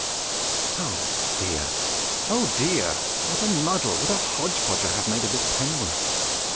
Oh, dear! oh, dear! What a muddle, what a hodge podge I have made of this pen work!